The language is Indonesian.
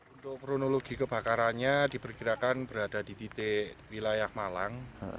untuk kronologi kebakarannya diperkirakan berada di titik wilayah malang